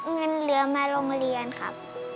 เงินเหลือมาโรงเรียนครับ